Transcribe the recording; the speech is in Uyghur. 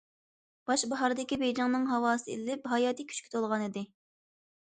باش باھاردىكى بېيجىڭنىڭ ھاۋاسى ئىللىپ، ھاياتىي كۈچكە تولغانىدى.